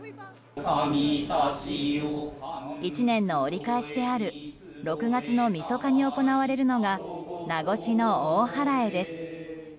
１年の折り返しである６月のみそかに行れるのが夏越の大祓です。